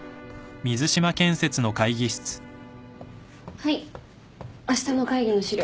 はいあしたの会議の資料。